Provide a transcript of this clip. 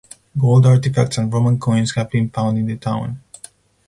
Gold artifacts and Roman coins have been found in the town.